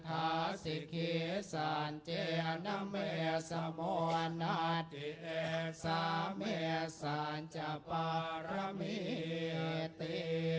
สาสิขิสานเจนเมสมวนาทิแอสาเมสานจปรมิติ